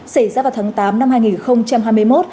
xảy ra vào tháng tám năm hai nghìn hai mươi một